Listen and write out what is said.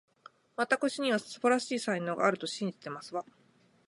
わたくしには、素晴らしい才能があると信じていますわ